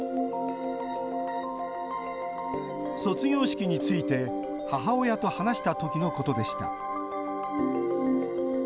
卒業式について母親と話した時のことでした。